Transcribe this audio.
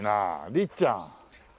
りっちゃん。